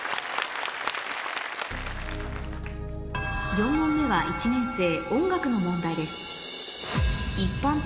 ４問目は１年生音楽の問題です